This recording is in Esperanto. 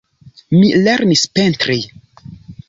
Mi lernis pentri.